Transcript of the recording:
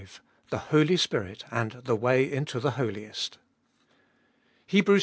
THE HOLY SPIRIT AND THE WAY INTO THE HOLIEST.